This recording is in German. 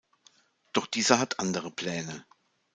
Doch dieser hat andere Pläne.